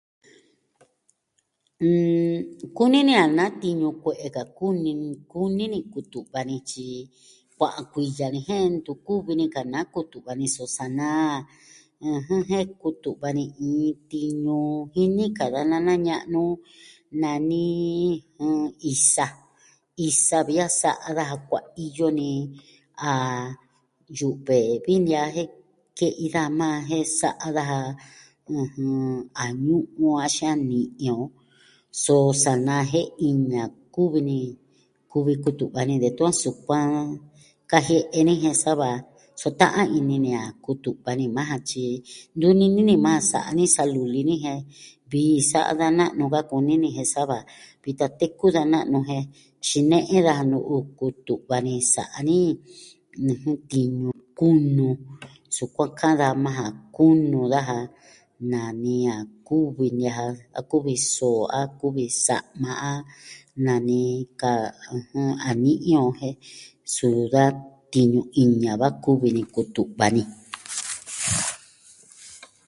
N... kuni ni a natiñu kue'e ka kuni ni. Kuni ni kutu'va ni tyi kua'a kuiya ni jen ntukuvi ni ka na kutu'va ni so sa naa, ɨjɨn, jen kutu'va ni iin tiñu jini ka da nana ña'nu, nani isa. Isa vi a sa'a daja kua iyo ni a yu've vi ni a jen ke'i da maa jen sa'a daja, ɨjɨn... a ñu'un on axin a ni'i o. so, sa naa jen iin ni a kuvi ni, kuvi kutu'va ni detun a sukuan kajie'e ni. Jen sava, so ta'an ini ni a kutu'va ni maa ja tyi nunini ni maa sa'a ni sa luli ni jen vii sa'a da na'nu ka kuni ni. Jen sava vitan teku da na'nu jen xine'e daja nu'u kutu'va ni sa'a ni, ɨjɨn, tiñu kunu. Sukuan ka'an da maa ja. Kunu daja. Naa ni a kuvi ña ja. a kuvi soo, a kuvi sa'ma ja. Naa ni ka, ɨjɨn, a ni'i on. Jen suu, da tiñu iin ña'an kuvi ni kutu'va ni.